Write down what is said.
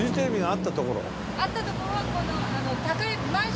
あったとこは。